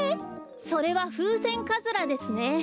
それはフウセンカズラですね。